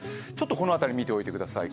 この辺り、見ておいてください。